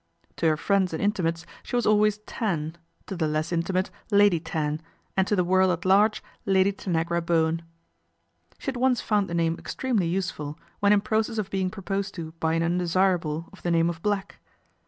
To her friends and intimates she was always 'an, to the less intimate Lady Tan, and to the vorld at large Lady Tanagra Bowen. She had once found the name extremely use ul, when in process of being proposed to by an indesirable of the name of Black.